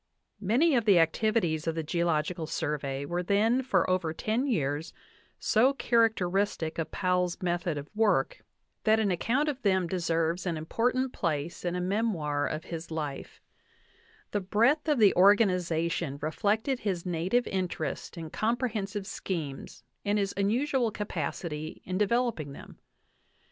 Many of the activities of the Geological Survey were then for over ten years so characteristic of Powell's method of work 47 NATIONAL ACADEMY BIOGRAPHICAL MEMOIRS VOL. VIII that an account of them deserves an important place in a me moir of his life. The breadth of ttye organization reflected his native interest in comprehensive schemes and his unusual ca pacity in developing them.